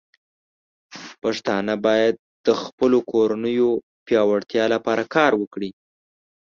پښتانه بايد د خپلو کورنيو پياوړتیا لپاره کار وکړي.